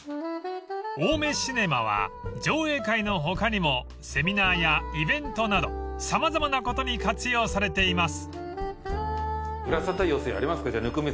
［おうめシネマは上映会の他にもセミナーやイベントなど様々なことに活用されています］